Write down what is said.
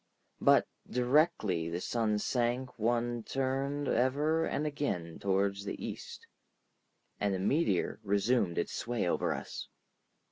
But directly the sun sank one turned ever and again toward the east, and the meteor resumed its sway over us.